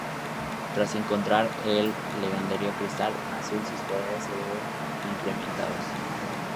Tras encontrar el legendario Cristal Azul sus poderes se ven incrementados.